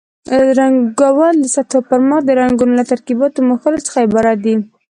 رنګول د سطحو پرمخ د رنګونو له ترکیباتو مښلو څخه عبارت دي.